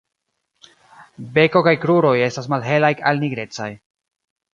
Beko kaj kruroj estas malhelaj al nigrecaj.